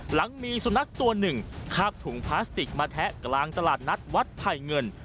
หลังมีสุนัขตัวหนึ่งคาบถุงพลาสติกมาแทะกลางตลาดนัดวัดไผ่เงิน